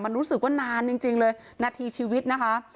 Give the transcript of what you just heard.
มันรู้สึกว่านานจริงเลยนาทีชีวิตนะคะ